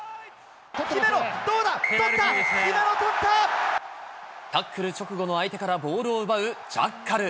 姫野、どうだ、タックル直後の相手からボールを奪うジャッカル。